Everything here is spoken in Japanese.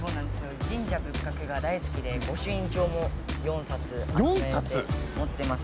神社と仏閣が大好きで御朱印帳も４冊、持ってます。